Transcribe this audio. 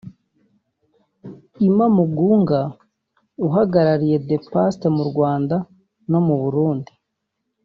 Imma Mugunga uhagarariye The Paste mu Rwanda no mu Burundi